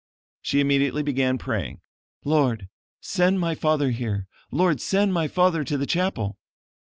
She immediately began praying: "Lord, send my father here; Lord, send my father to the chapel."